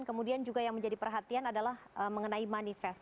kemudian juga yang menjadi perhatian adalah mengenai manifest